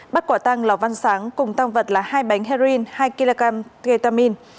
bắt quả tàng lò văn sáng cùng tăng vật là hai bánh heroin hai kg ketamine